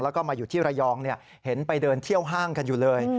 แล้วก็มาอยู่ที่ระยองเห็นไปเดินเที่ยวห้างกันอยู่เลย